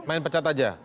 main pecat saja